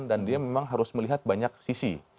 dan dia memang harus melihat banyak sisi